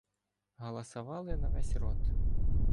Галасовали на ввесь рот.